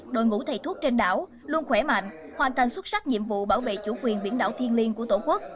đội ngũ thầy thuốc trên đảo luôn khỏe mạnh hoàn thành xuất sắc nhiệm vụ bảo vệ chủ quyền biển đảo thiên liên của tổ quốc